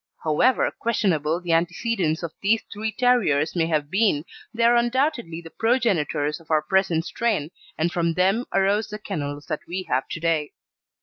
However questionable the antecedents of these three terriers may have been, they are undoubtedly the progenitors of our present strain, and from them arose the kennels that we have to day.